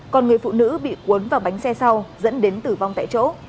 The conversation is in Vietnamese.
còn người phụ nữ bị cuốn vào bánh xe sau dẫn đến tử vong tại chỗ